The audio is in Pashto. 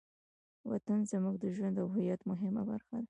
وطن زموږ د ژوند او هویت مهمه برخه ده.